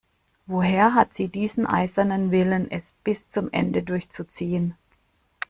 Woher hat sie diesen eisernen Willen, es bis zum Ende durchzuziehen?